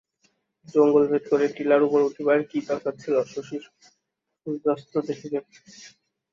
জঙ্গল ভেদ করিয়া টিলার উপর উঠিবার কী দরকার ছিল শশীর সূর্যস্ত দেখিবে।